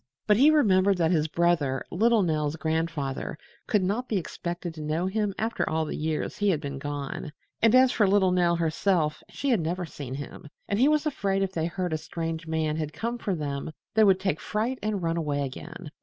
But he remembered that his brother, little Nell's grandfather, could not be expected to know him after all the years he had been gone, and as for little Nell herself, she had never seen him, and he was afraid if they heard a strange man had come for them they would take fright and run away again.